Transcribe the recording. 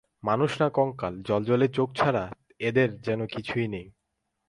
মানুষ না কঙ্কাল, জ্বলজ্বলে চোখ ছাড়া এদের যেন কিছুই নেই।